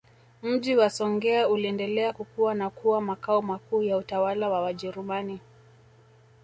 Mji wa Songea uliendelea kukua na kuwa Makao makuu ya utawala wa Wajerumani